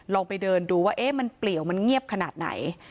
ไปเดินดูว่ามันเปลี่ยวมันเงียบขนาดไหน